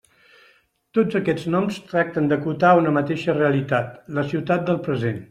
Tots aquests noms tracten d'acotar una mateixa realitat: la ciutat del present.